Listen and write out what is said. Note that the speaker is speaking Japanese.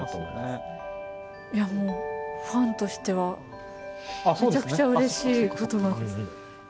いやもうファンとしてはめちゃくちゃうれしい言葉です。